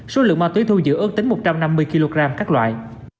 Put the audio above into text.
số lượng ma túy thu giữ ước tính một trăm năm mươi kg các loại